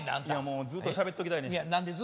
いやもうずっとしゃべっときたいねん。